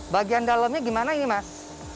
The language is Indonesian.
bagian dalamnya gimana ini mas